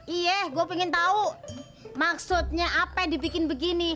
iya gua pengen tau maksudnya apa dibikin begini